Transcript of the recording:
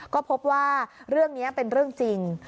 ก็พบว่าเรื่องนี้เป็นเรื่องจริง